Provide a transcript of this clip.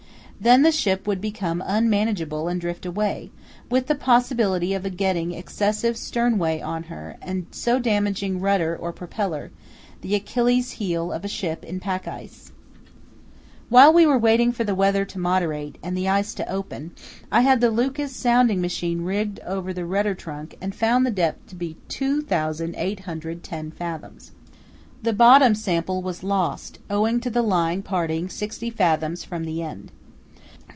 Then the ship would become unmanageable and drift away, with the possibility of getting excessive sternway on her and so damaging rudder or propeller, the Achilles' heel of a ship in pack ice. While we were waiting for the weather to moderate and the ice to open, I had the Lucas sounding machine rigged over the rudder trunk and found the depth to be 2810 fathoms. The bottom sample was lost owing to the line parting 60 fathoms from the end.